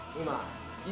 今。